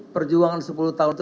perjuangan sepuluh tahun itu